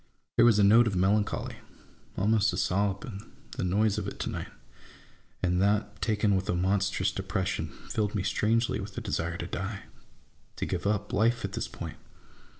There was a note of melancholy, almost a sob, in the noise of it to night : and that, taken with a monstrous depression, filled me strangely with a desire to die — to give up life at this point